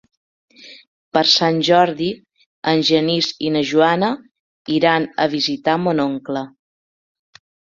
Per Sant Jordi en Genís i na Joana iran a visitar mon oncle.